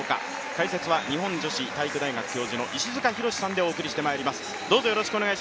解説は日本女子体育大学教授の石塚浩さんでお伝えしてまいります。